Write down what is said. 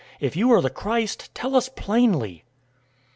If you are the Christ, tell us plainly."